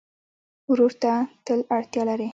ورور ته تل اړتیا لرې.